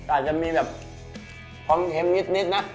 อาจจะมีแบบความเค็มนิดนะ